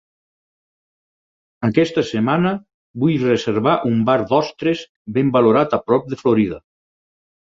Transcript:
Aquesta setmana vull reservar un bar d'ostres ben valorat a prop de Florida.